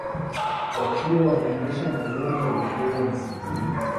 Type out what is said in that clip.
Wakiwa wanaendesha malori yaliyobeba mizigo hiyo